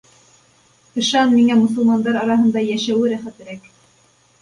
Ышан, миңә мосолмандар араһында йәшәүе рәхәтерәк!